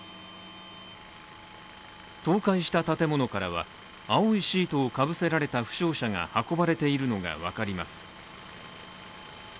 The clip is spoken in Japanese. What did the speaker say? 倒壊した建物からは、青いシートをかぶせられた負傷者が運ばれているのが分かります。